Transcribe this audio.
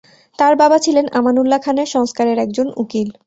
তার বাবা ছিলেন আমানউল্লাহ খানের সংস্কারের একজন উকিল।